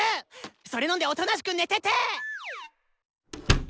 それ飲んでおとなしく寝てて！